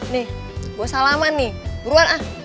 nih gue salaman nih buruan ah